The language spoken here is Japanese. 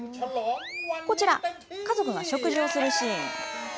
こちら、家族が食事をするシーン。